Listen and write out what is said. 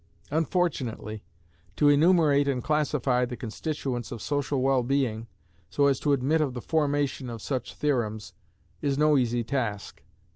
Unfortunately, to enumerate and classify the constituents of social well being, so as to admit of the formation of such theorems is no easy task.